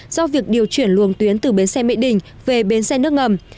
do việc điều chuyển luồng tuyến từ bến xe mỹ đình về bến xe nước ngầm